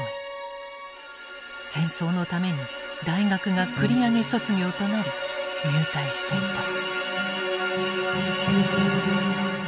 戦争のために大学が繰り上げ卒業となり入隊していた。